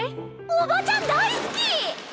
おばちゃん大好き！